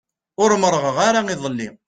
Ur merrɣeɣ ara iḍelli.